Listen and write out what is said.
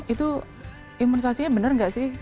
itu imunisasinya benar nggak sih